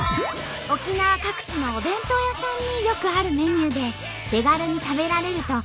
沖縄各地のお弁当屋さんによくあるメニューで手軽に食べられるとロコたちに大人気！